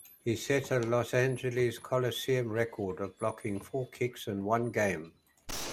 He set a Los Angeles Coliseum record of blocking four kicks in one game.